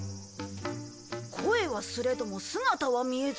声はすれども姿は見えず。